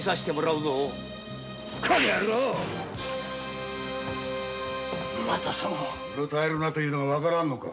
うろたえるなというのが分からぬか。